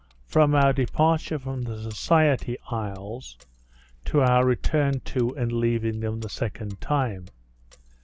FROM OUR DEPARTURE FROM THE SOCIETY ISLES, TO OUR RETURN TO AND LEAVING THEM THE SECOND TIME.